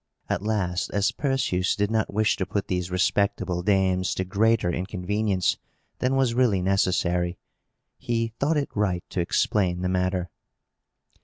At last, as Perseus did not wish to put these respectable dames to greater inconvenience than was really necessary, he thought it right to explain the matter.